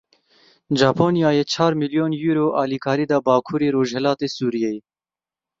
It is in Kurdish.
Japonyayê çar milyon Euro alîkarî da Bakurê Rojhilatê Sûriyê